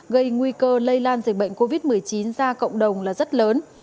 gây nguy cơ lây lan dịch bệnh covid một mươi chín ra cộng đồng là rất lớn